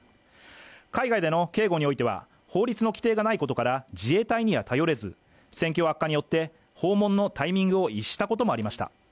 海外での警護においては法律の規定がないことから自衛隊には頼れず、戦況悪化によって訪問のタイミングを逸したこともありました。